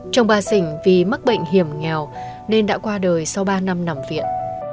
trồng bà sỉnh vì mắc bệnh hiểm nghèo nên đã qua đời sau ba năm nằm viện